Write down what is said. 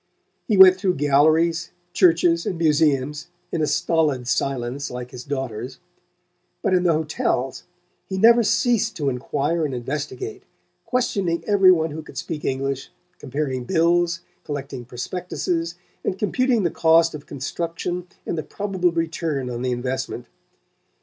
He went through galleries, churches and museums in a stolid silence like his daughter's; but in the hotels he never ceased to enquire and investigate, questioning every one who could speak English, comparing bills, collecting prospectuses and computing the cost of construction and the probable return on the investment.